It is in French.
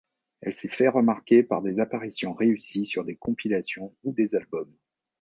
Elle s'est fait remarquer par des apparitions réussies sur des compilations ou des albums.